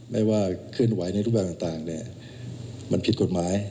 ไม่ว่าเคลื่อนไหวในรูปแบบต่างมันผิดกฎหมาย